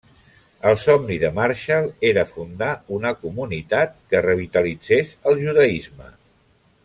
El somni de Marshall era fundar una comunitat que revitalitzés el judaisme.